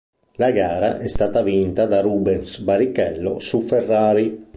La gara è stata vinta da Rubens Barrichello su Ferrari.